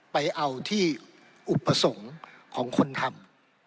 ไปเอาที่อุปสรรคของคนทำ